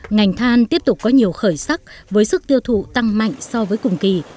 ngành than tiếp tục có nhiều khởi sắc với sức tiêu thụ tăng mạnh so với cùng kỳ